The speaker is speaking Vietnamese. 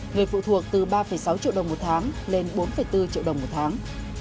người phụ thuộc từ ba sáu triệu đồng một tháng lên bốn bốn triệu đồng một tháng